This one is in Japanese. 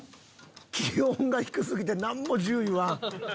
気温が低すぎてなんもジュー言わん。